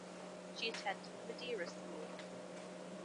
She attended the Madeira School.